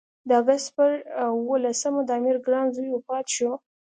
د اګست پر اووه لسمه د امیر ګران زوی وفات شو.